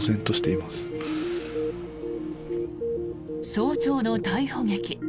早朝の逮捕劇。